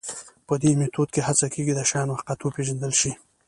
په دې میتود کې هڅه کېږي د شیانو حقیقت وپېژندل شي.